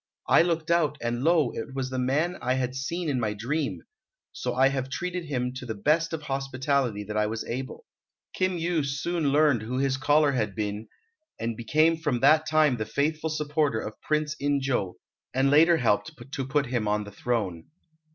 I looked out, and lo, it was the man I had seen in my dream! so I have treated him to the best of hospitality that I was able." Kim Yu soon learned who his caller had been, and became from that time the faithful supporter of Prince In jo, and later helped to put him on the throne.